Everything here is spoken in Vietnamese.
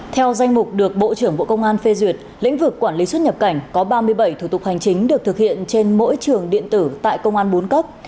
theo danh mục được bộ trưởng bộ công an phê duyệt lĩnh vực quản lý xuất nhập cảnh có ba mươi bảy thủ tục hành chính được thực hiện trên mỗi trường điện tử tại công an bốn cấp